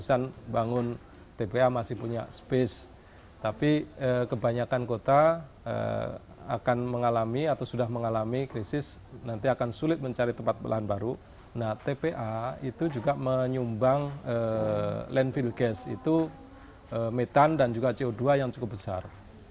nah tpa itu juga menyumbang landfill gas itu metan dan juga co dua yang cukup besar